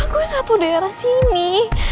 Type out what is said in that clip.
aku yang satu daerah sini